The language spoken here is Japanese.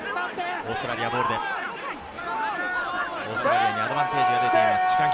オーストラリアにアドバンテージが出ています。